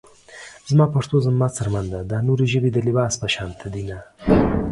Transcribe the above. زما پښتو زما څرمن ده دا نورې ژبې د لباس پشانته دينه